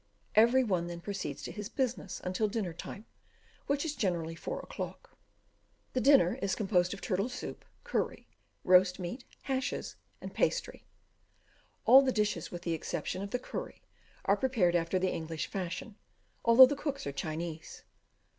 Every one then proceeds to his business until dinner time, which is generally 4 o'clock. The dinner is composed of turtle soup, curry, roast meat, hashes, and pastry. All the dishes, with the exception of the curry, are prepared after the English fashion, although the cooks are Chinese.